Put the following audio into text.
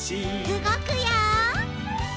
うごくよ！